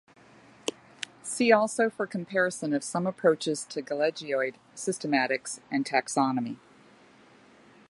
See also for comparison of some approaches to gelechioid systematics and taxonomy.